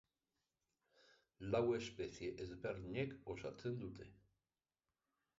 Lau espezie ezberdinek osatzen dute.